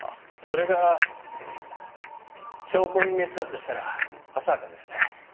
それが証拠隠滅だとしたら浅はかですね。